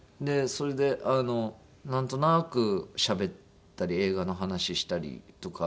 それでなんとなくしゃべったり映画の話したりとか。